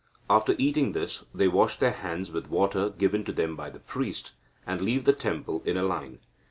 After eating this, they wash their hands with water given to them by the priest, and leave the temple in a line.